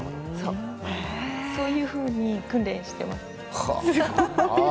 そういうふうに訓練しています。